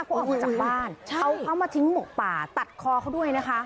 ก็ออกมาจากบ้านเอาเขามาทิ้งหมกป่าตัดคอเขาด้วยนะคะ